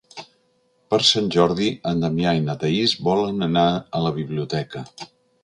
Per Sant Jordi en Damià i na Thaís volen anar a la biblioteca.